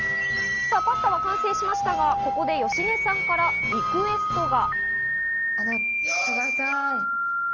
パスタは完成しましたが、ここで芳根さんからリクエストが。